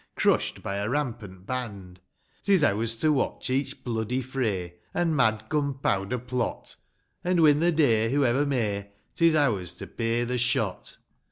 Crushed by a rampant band ; 'Tis ours to watch each bloody fray, And mad gunpowder plot ; And, win the day whoever may, 'Tis ours to pay the shot.